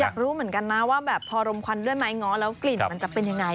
อยากรู้เหมือนกันนะว่าแบบพอรมควันด้วยไม้ง้อแล้วกลิ่นมันจะเป็นยังไง